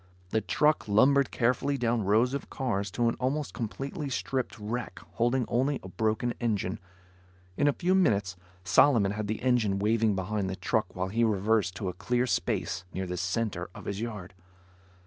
The truck lumbered carefully down rows of cars to an almost completely stripped wreck holding only a broken engine. In a few minutes, Solomon had the engine waving behind the truck while he reversed to a clear space near the center of his yard.